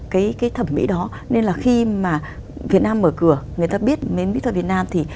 cái thẩm mỹ đó nên là khi mà việt nam mở cửa người ta biết đến mỹ thuật việt nam thì